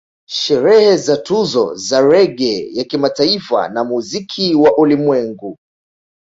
Sherehe za Tuzo za Reggae ya Kimataifa na Muziki wa ulimwengu